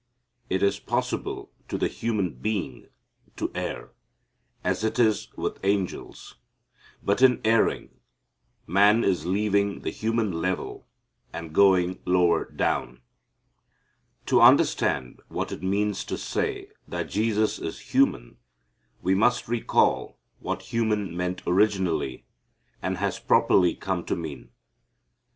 It is possible to the human being to err, as it is with angels, but, in erring, man is leaving the human level and going lower down. To understand what it means to say that Jesus is human we must recall what human meant originally, and has properly come to mean.